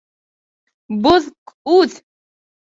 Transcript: Боҙ к үҙ!